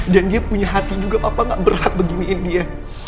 dan dia punya hati juga papa gak berat beginiin dia